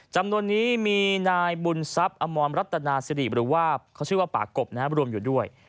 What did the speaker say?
จำนวนนี้มีนายบุญทรัพย์อมรรัตนาสิริหรือว่าเขาชื่อว่าป่ากบรวมอยู่ด้วย